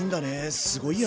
すごいや！